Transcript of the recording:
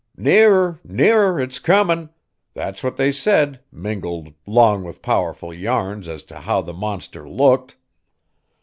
'Nearer! nearer! it's comin',' that's what they said, mingled 'long with powerful yarns as to how the monster looked!